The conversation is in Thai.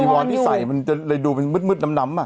ยิวานที่ใสมันจะเลยดูมันมืดน้ำอะ